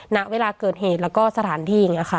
ณเวลาเกิดเหตุแล้วก็สถานที่อย่างนี้ค่ะ